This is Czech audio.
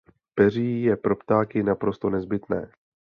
Peří je pro ptáky naprosto nezbytné.